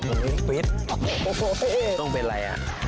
โหโหเฤ้ต้นเป็นอะไรอะ